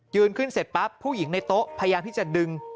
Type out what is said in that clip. ขึ้นเสร็จปั๊บผู้หญิงในโต๊ะพยายามที่จะดึง